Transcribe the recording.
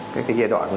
cái giai đoạn